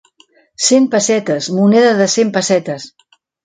Cent pessetes, moneda de cent pessetes.